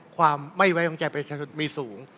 ความไม่ไว้วางใจประชาชนมีสูง